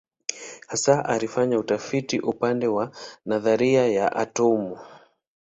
Hasa alifanya utafiti upande wa nadharia ya atomu.